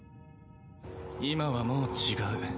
今はもう違う。